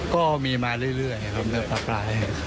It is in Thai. ก็มีมาเรื่อยครับประปราย